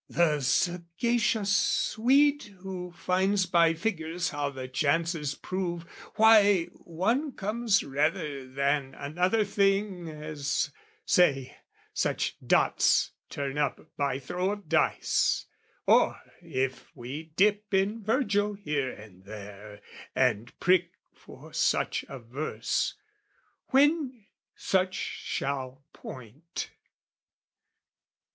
the sagacious Swede Who finds by figures how the chances prove, Why one comes rather than another thing, As, say, such dots turn up by throw of dice, Or, if we dip in Virgil here and there And prick for such a verse, when such shall point.